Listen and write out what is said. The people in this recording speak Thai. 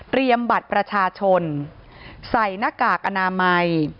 บัตรประชาชนใส่หน้ากากอนามัย